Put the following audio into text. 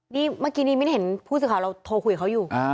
นี่เมื่อกี้นี้มิ้นเห็นผู้สื่อข่าวเราโทรคุยกับเขาอยู่